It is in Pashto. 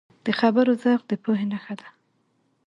د خبرو ذوق د پوهې نښه ده